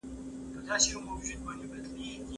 زه به سبا لیکل کوم